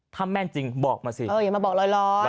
ถ้าแม่นจริงบอกมาสิอย่ามาบอกลอย